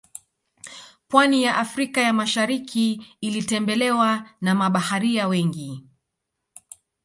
Pwani ya afrika ya masharikii ilitembelewa na mabaharia wengi